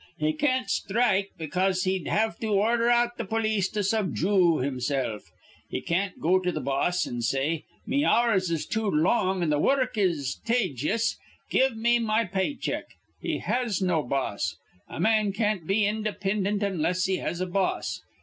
He can't sthrike, because he'd have to ordher out th' polis to subjoo himsilf. He can't go to th' boss, an' say: 'Me hours is too long an' th' wurruk is tajious. Give me me pay check.' He has no boss. A man can't be indipindint onless he has a boss.